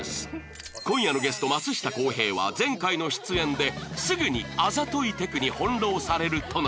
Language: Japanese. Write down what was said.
今夜のゲスト松下洸平は前回の出演ですぐにあざといテクに翻弄されるとの事で自ら